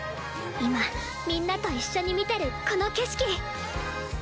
今みんなと一緒に見てるこの景色。